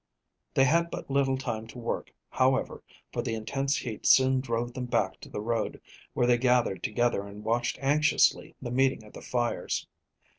They had but little time to work, however, for the intense heat soon drove them back to the road, where they gathered together and watched anxiously the meeting of the fires.